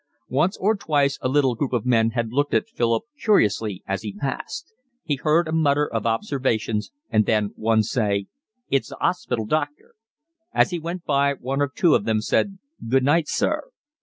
Once or twice a little group of men had looked at Philip curiously as he passed; he heard a mutter of observations and then one say: "It's the 'orspital doctor." As he went by one or two of them said: "Good night, sir."